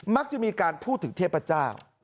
มักจะมีการพูดถึงเทพเจ้า